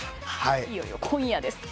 いよいよ今夜です。